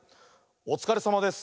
「おつかれさまです」。